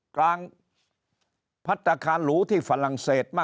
กลางพัฒนาคารหรูที่ฝรั่งเศส